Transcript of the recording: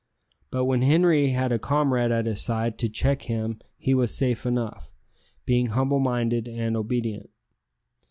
But when Henri had a comrade at his side to check him he was safe enough, being humble minded and obedient.